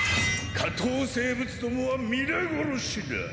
下等生物共は皆殺しだ。